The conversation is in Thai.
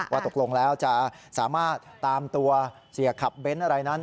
ว่าตกลงแล้วจะสามารถตามตัวเสียขับเบนท์อะไรนั้น